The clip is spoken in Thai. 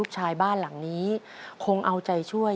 ชายบ้านหลังนี้คงเอาใจช่วย